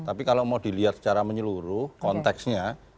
tapi kalau mau dilihat secara menyeluruh konteksnya